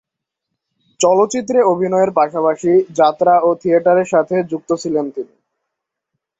চলচ্চিত্রে অভিনয়ের পাশাপাশি যাত্রা ও থিয়েটারের সাথে যুক্ত ছিলেন তিনি।